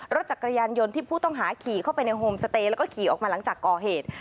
รถจักรยานยนต์ที่ผู้ต้องหาขี่เข้าไปในโฮมสเตย์แล้วก็ขี่ออกมาหลังจากก่อเหตุ